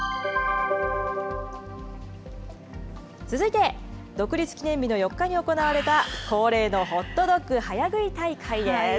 続いて、独立記念日の４日に行われた、恒例のホットドッグ早食い大会です。